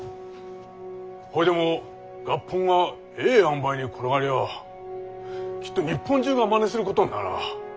ほいでも合本がええあんばいに転がりゃきっと日本中がまねすることにならぁ。